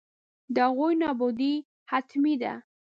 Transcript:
د هغوی نابودي حتمي ده.